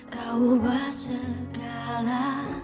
kamu ubah segala